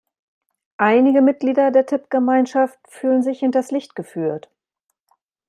Einige Mitglieder der Tippgemeinschaft fühlen sich hinters Licht geführt.